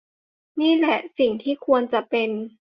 นี่แหละสิ่งที่ควรจะเป็น